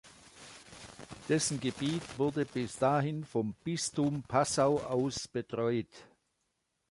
Dessen Gebiet wurde bis dahin vom Bistum Passau aus betreut.